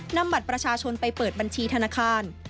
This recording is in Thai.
นำบัตรประชาชนไปเปิดบัญชีธนาคาร